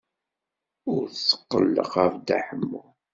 Ur tetqelleq ɣef Dda Ḥemmu.